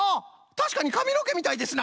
たしかにかみのけみたいですな！